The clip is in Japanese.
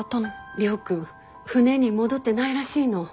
亮君船に戻ってないらしいの。